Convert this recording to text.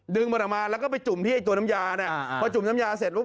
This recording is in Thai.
ดึงมันออกมาแล้วก็ไปจุ่มที่ตัวน้ำยาพอจุ่มน้ำยาเสร็จ